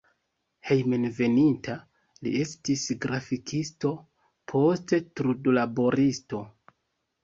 Hejmenveninta li estis grafikisto, poste trudlaboristo.